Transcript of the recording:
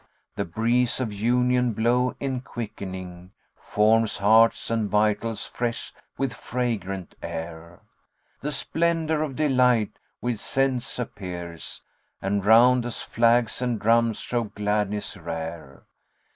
The breeze of union blows, enquickening * Forms, hearts and vitals, fresh with fragrant air: The splendour of delight with scents appears, * And round us[FN#78] flags and drums show gladness rare.